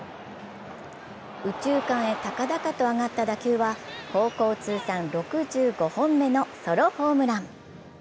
右中間へ高々と上がった打球は高校通算６５本目のソロホームラン。